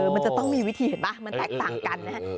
มันจะต้องมีวิธีเห็นป่ะมันแตกต่างกันนะครับ